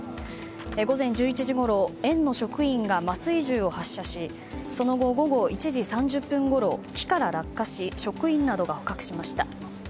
午前１１時ごろ園の職員が麻酔銃を発射しその後、午後１時３０分ごろ木から落下し職員などが捕獲しました。